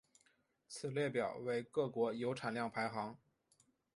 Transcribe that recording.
此列表为各国铀产量排行。